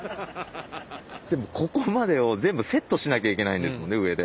でもここまでを全部セットしなきゃいけないんですもんね上で。